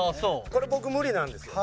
これ僕無理なんですよ。